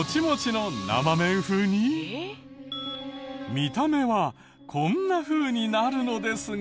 見た目はこんなふうになるのですが。